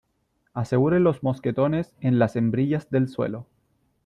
aseguren los mosquetones en las hembrillas del suelo